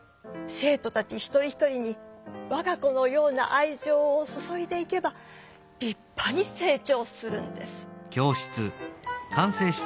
生とたち一人一人にわが子のようなあいじょうをそそいでいけばりっぱに成長するんです。